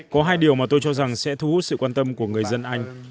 có hai điều mà tôi cho rằng sẽ thu hút sự quan tâm của người dân anh